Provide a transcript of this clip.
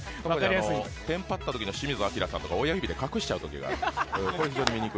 テンパったときの清水アキラさんとか親指で隠しちゃうときがある。